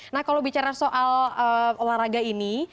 nah kalau bicara soal olahraga ini